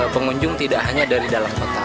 pengunjung tidak hanya dari dalam kota